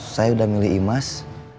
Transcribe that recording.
saya udah milih imas